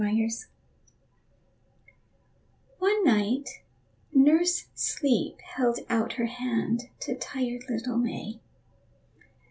ABOUT MAY One night Nurse Sleep held out her hand To tired little May.